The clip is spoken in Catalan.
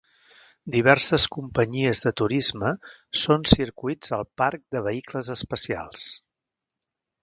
Diverses companyies de turisme són circuits al parc de vehicles especials.